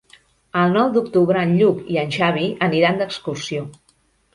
El nou d'octubre en Lluc i en Xavi aniran d'excursió.